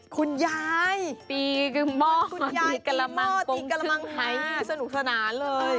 คุณยายตีกรม่อตีกรม่างตีกรม่างไทยสนุกสนานเลย